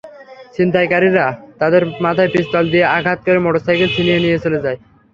ছিনতাইকারীরা তাঁদের মাথায় পিস্তল দিয়ে আঘাত করে মোটরসাইকেল ছিনিয়ে নিয়ে চলে যায়।